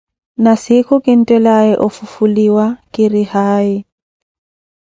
Na siikhu kinttelaaya ofufuliwa ki ri haayi.